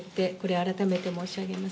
改めて申し上げます。